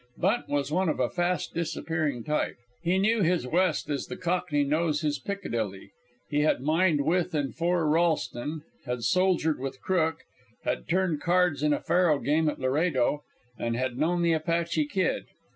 Bunt was one of a fast disappearing type. He knew his West as the cockney knows his Piccadilly. He had mined with and for Ralston, had soldiered with Crook, had turned cards in a faro game at Laredo, and had known the Apache Kid.